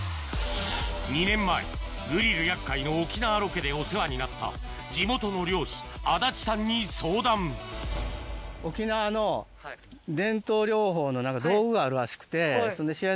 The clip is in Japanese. ２年前グリル厄介の沖縄ロケでお世話になった地元の漁師安達さんに相談があるらしくて。